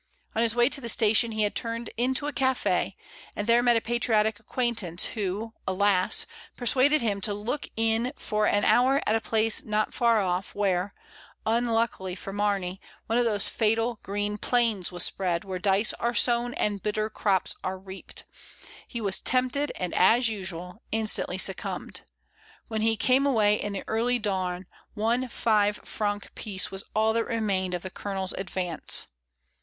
On his way to the station he had turned into a caf6, and there met a patriotic ac quaintance who, alas, persuaded him to look in for an hour at a place not far off where, unluckily for Mamey, one of those fatal green plains was spread where dice are sown and bitter crops are reaped. He was tempted, and, as usual, instantly succumbed. When he came away in the early dawn one five franc piece was all that remained of the Colonel's advance.